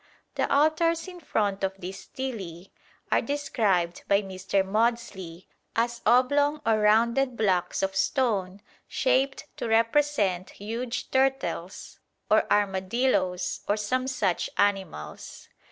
The altars in front of these stelae are described by Mr. Maudslay as oblong or rounded blocks of stone shaped to represent huge turtles or armadillos or some such animals.